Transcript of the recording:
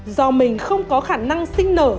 do mình không có khả năng sinh nở